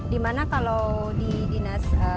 dimana kalau di dinas